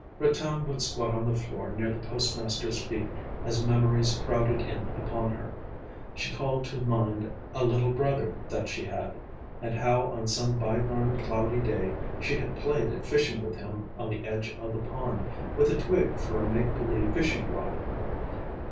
Ratan would squat on the floor near the postmaster's feet, as memories crowded in upon her. She called to mind a little brother that she had and how on some bygone cloudy day she had played at fishing with him on the edge of the pond, with a twig for a make believe fishing rod.